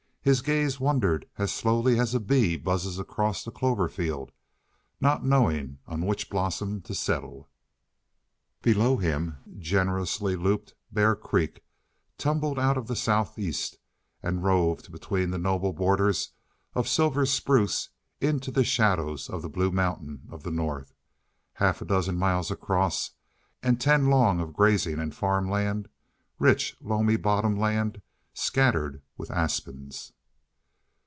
His gaze wandered as slowly as a free buzzes across a clover field, not knowing on which blossom to settle. Below him, generously looped, Bear Creek tumbled out of the southeast, and roved between noble borders of silver spruce into the shadows of the Blue Mountains of the north, half a dozen miles across and ten long of grazing and farm land, rich, loamy bottom land scattered with aspens.